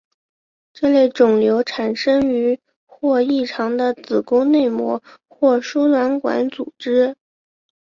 这类肿瘤产生于或异常的子宫内膜或输卵管组织。